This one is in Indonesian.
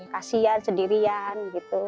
kasian sedirian gitu